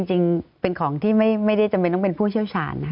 จริงเป็นของที่ไม่ได้จำเป็นต้องเป็นผู้เชี่ยวชาญนะ